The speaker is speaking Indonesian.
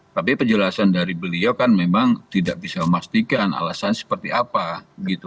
tapi penjelasan dari beliau kan memang tidak bisa memastikan alasan seperti apa gitu